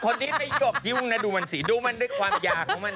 คนที่ไม่หยบยุ่งนะดูมันสิดูมันด้วยความยากของมัน